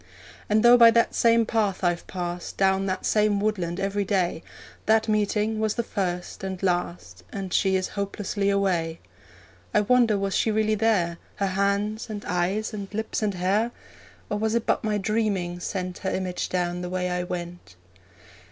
And though by that same path I've passed Down that same woodland every day, That meeting was the first and last, And she is hopelessly away. I wonder was she really there Her hands, and eyes, and lips, and hair? Or was it but my dreaming sent Her image down the way I went?